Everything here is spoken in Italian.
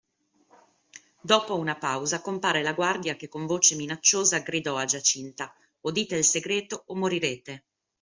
Dopo una pausa compare la guardia che con voce minacciosa gridò a Giacinta:"O dite il segreto o morirete!"